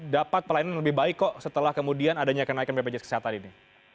dapat pelayanan lebih baik kok setelah kemudian adanya kenaikan bpjs kesehatan ini